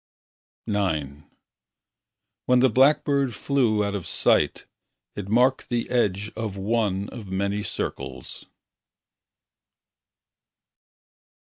IX When the blackbird flew out of sight, It marked the edge Of one of many circles.